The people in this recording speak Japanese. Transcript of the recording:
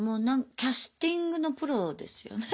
キャスティングのプロですよね。